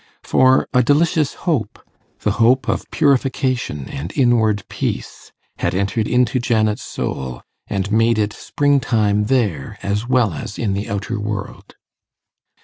For a delicious hope the hope of purification and inward peace had entered into Janet's soul, and made it spring time there as well as in the outer world.